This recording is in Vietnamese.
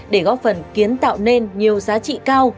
để góp phần kiến tạo nên nhiều giá trị cao